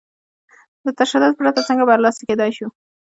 له تشدد پرته څنګه برلاسي کېدای شو؟